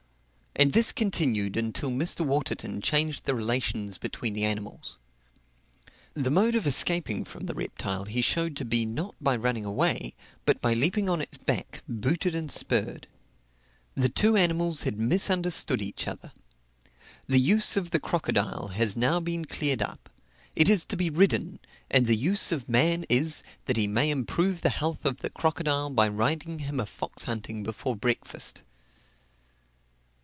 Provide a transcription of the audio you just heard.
And this continued until Mr. Waterton changed the relations between the animals. The mode of escaping from the reptile he showed to be, not by running away, but by leaping on its back, booted and spurred. The two animals had misunderstood each other. The use of the crocodile has now been cleared up it is to be ridden; and the use of man is, that he may improve the health of the crocodile by riding him a fox hunting before breakfast.